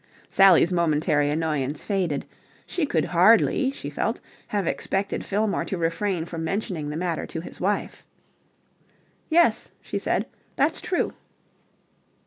Sally's momentary annoyance faded. She could hardly, she felt, have expected Fillmore to refrain from mentioning the matter to his wife. "Yes," she said. "That's true."